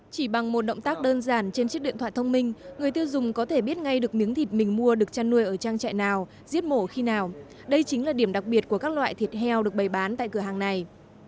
chỉ bằng một động tác đơn giản trên chiếc điện thoại thông minh người tiêu dùng có thể biết ngay được miếng thịt mình mua được chăn nuôi ở trang trại nào giết mổ khi nào đây chính là điểm đặc biệt của các loại thịt heo được bày bán tại cửa hàng này